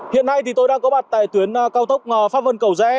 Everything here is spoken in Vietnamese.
hiện nay thì tôi đang có mặt tại tuyến cao tốc pháp vân cầu rẽ